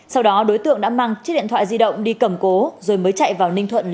sau đó đối tượng đã mang chiếc điện thoại di động đi cầm cố rồi mới chạy vào ninh thuận